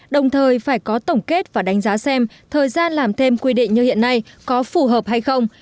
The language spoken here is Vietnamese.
đồng thời phải có tổng kết và đánh giá xem thời gian làm thêm quy định như hiện nay có phù hợp hay không